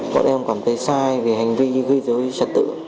bọn em cảm thấy sai về hành vi gây dối trật tự